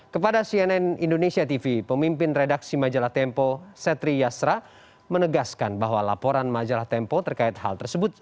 kepada cnn indonesia tv pemimpin redaksi majalah tempo setri yasra menegaskan bahwa laporan majalah tempo terkait hal tersebut